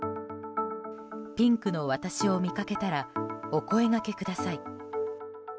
ピンクの私を見かけたらお声がけください。